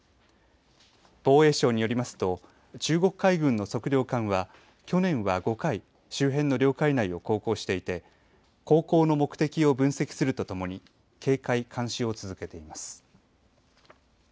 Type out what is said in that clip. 防衛省によりますと中国海軍の測量艦は去年は５回周辺の領海内を航行していて航行の目的を分析するとともに警戒、監視を続けています。